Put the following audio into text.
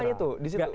bukan makanya tuh